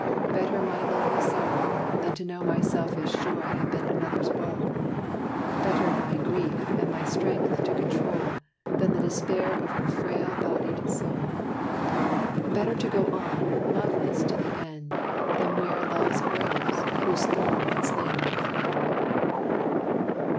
Better my lonely sorrow, than to know My selfish joy had been another's woe; Better my grief and my strength to control, Than the despair of her frail bodied soul; Better to go on, loveless, to the end, Than wear love's rose, whose thorn had slain my friend.